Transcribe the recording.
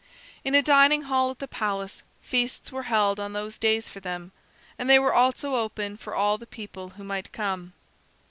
In a dining hall at the palace, feasts were held on those days for them, and they were also open for all the people who might come.